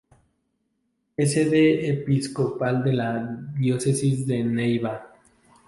Es sede episcopal de la Diócesis de Neiva.